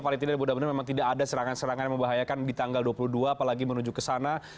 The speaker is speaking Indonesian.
paling tidak mudah mudahan memang tidak ada serangan serangan yang membahayakan di tanggal dua puluh dua apalagi menuju ke sana